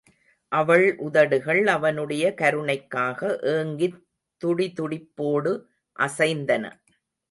அவள் உதடுகள் அவனுடைய கருணைக்காக ஏங்கித் துடிதுடிப்போடு அசைந்தன.